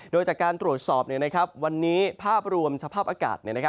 โดยจากการตรวจสอบวันนี้ภาพรวมสภาพอากาศ